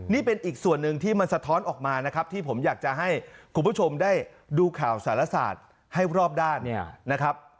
นี่เป็นอีกส่วนหนึ่งที่มันสะท้อนออกมานะครับที่ผมอยากจะให้คุณผู้ชมได้ดูข่าวสารศาสตร์ให้รอบด้านเนี่ยนะครับ